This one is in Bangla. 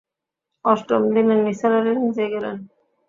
অষ্টম দিনে নিসার আলি নিজেই গেলেন।